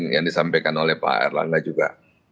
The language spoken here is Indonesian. yang disampaikan oleh pak erlangga juga